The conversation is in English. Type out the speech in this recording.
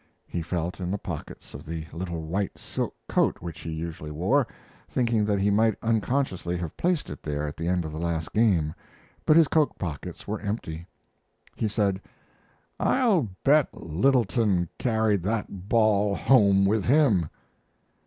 He felt in the pockets of the little white silk coat which he usually wore, thinking that he might unconsciously have placed it there at the end of the last game, but his coat pockets were empty. He said: "I'll bet Littleton carried that ball home with him."